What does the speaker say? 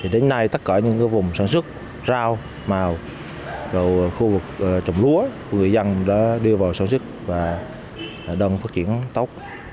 đến nay tất cả những vùng sản xuất rau màu khu vực trồng lúa của người dân đã đưa vào sản xuất và đang phát triển tốt